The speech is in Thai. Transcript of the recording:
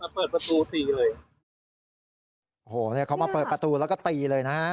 เปิดประตูตีเลยโอ้โหเนี่ยเขามาเปิดประตูแล้วก็ตีเลยนะฮะ